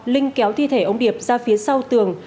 linh kéo thi thể ông điệp ra phía sau tường